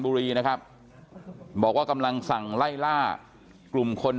บุรีนะครับบอกว่ากำลังสั่งไล่ล่ากลุ่มคน